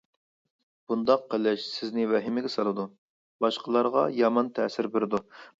بۇنداق قىلىش سىزنى ۋەھىمىگە سالىدۇ، باشقىلارغا يامان تەسىر بېرىدۇ.